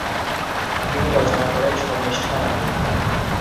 তিনি রচনা করেন ‘শর্মিষ্ঠা' নাটক।